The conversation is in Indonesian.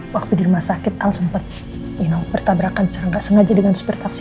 waktu di rumah sakit al sempat you know bertabrakan secara nggak sengaja dengan super taksi